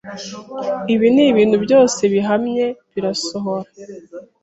Ibi nkibintu byose bihamye birasohora